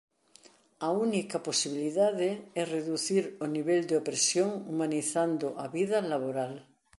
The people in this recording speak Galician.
A única posibilidade é reducir o nivel de opresión humanizando a vida laboral.